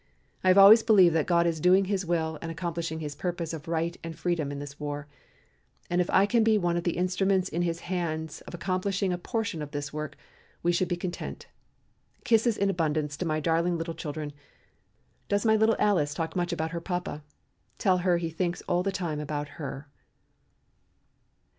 I have always believed that God is doing his will and accomplishing his purposes of right and freedom in this war, and if I can be one of the instruments in his hands of accomplishing a portion of this work we should be content. Kisses in abundance to my darling little children. Does my little Alice talk much about her papa? Tell her he thinks all the time about her."